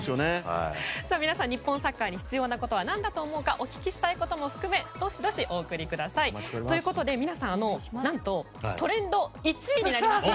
皆さん、日本サッカーに必要なことは何だと思うかお聞きしたいことも含めどしどしお送りください。ということで、皆さん何とトレンド１位になりました。